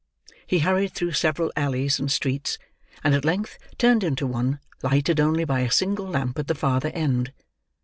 He hurried through several alleys and streets, and at length turned into one, lighted only by a single lamp at the farther end.